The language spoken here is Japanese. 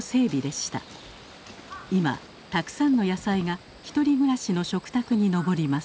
今たくさんの野菜が１人暮らしの食卓に上ります。